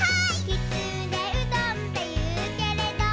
「きつねうどんっていうけれど」